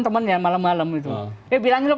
temennya malam malam gitu eh bilangnya lo